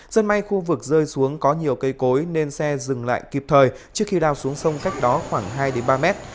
dân may khu vực rơi xuống có nhiều cây cối nên xe dừng lại kịp thời trước khi đào xuống sông cách đó khoảng hai ba mét